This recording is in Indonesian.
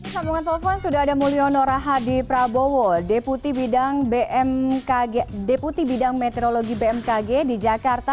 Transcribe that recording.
sambungan telepon sudah ada mulyo noraha di prabowo deputi bidang meteorologi bmkg di jakarta